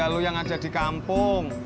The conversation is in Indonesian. lalu yang ada di kampung